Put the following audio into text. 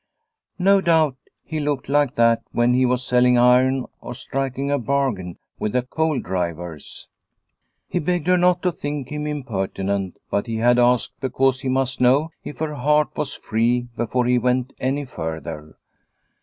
No doubt he looked like that when he was selling iron or striking a bargain with the coal drivers. He begged her not to think him impertinent, but he had asked because he must know if her heart was free before he went any further.